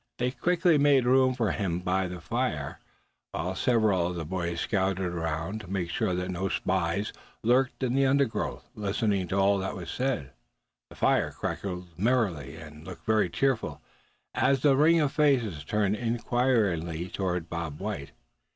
They quickly made room for him by the fire; while several of the boys scouted around, to make sure that no spies lurked in the undergrowth, listening to all that was said. The fire crackled merrily, and looked very cheerful, as the ring of faces turned inquiringly toward Bob White.